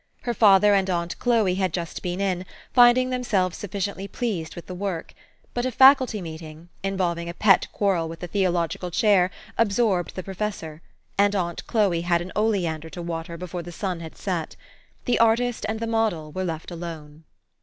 Her father and aunt Chloe had just been in, finding them THE STORY OF AVIS. Ill selves sufficiently pleased with the work : but a Faculty meeting, involving a pet quarrel with the Theological Chair, absorbed the professor ; and aunt Chloe had an oleander to water before the sun had set. The artist and the model were left alone.